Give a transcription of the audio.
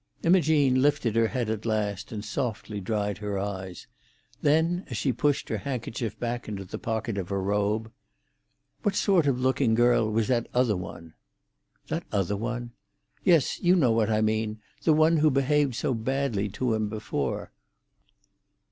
Imogene lifted her head at last, and softly dried her eyes. Then, as she pushed her handkerchief back into the pocket of her robe, "What sort of looking girl was that other one?" "That other one?" "Yes; you know what I mean: the one who behaved so badly to him before."